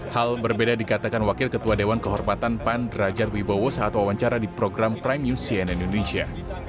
hal berbeda dikatakan wakil ketua dewan kehormatan pan rajar wibowo saat wawancara di program prime news cnn indonesia